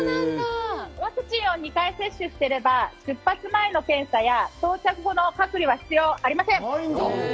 ワクチンを２回接種していれば、出発前の検査や到着後の隔離は必要ありません。